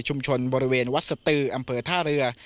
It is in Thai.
บริเวณวัดสตืออำเภอท่าเรือ